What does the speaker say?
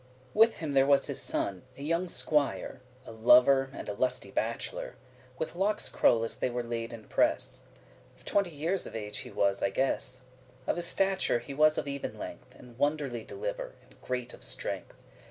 With him there was his son, a younge SQUIRE, A lover, and a lusty bacheler, With lockes crulle* as they were laid in press. *curled Of twenty year of age he was I guess. Of his stature he was of even length, And *wonderly deliver*, and great of strength.